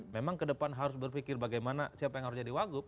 memang ke depan harus berpikir bagaimana siapa yang harus jadi wagub